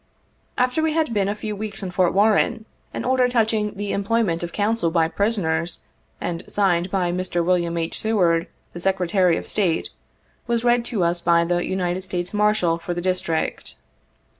After we had been a few weeks in Fort Warren, an order touching the employment Of counsel by prisoners, and signed by Mr. William H. Seward, the Secretary of State, was read to us by the United States Marshal for the District.